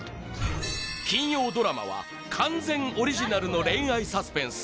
金曜ドラマは完全オリジナルの恋愛サスペンス